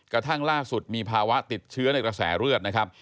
กระทั่งล่าสุดมีภาวะติดเชื้อในกระแสเลือดนะครับ